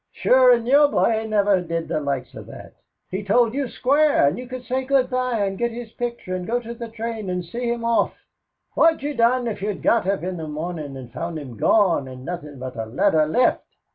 Sure, and your by never did the likes o' that. He told you square and you could say good by and get his picture and go to the train and see him off. What'd you done if you'd got up in the mornin' and found him gone and nothin' but a letter left?